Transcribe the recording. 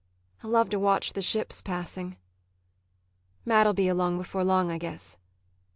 I love to watch the ships passing. Mat'll be along before long, I guess.